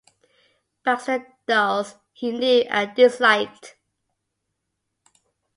Baxter Dawes he knew and disliked.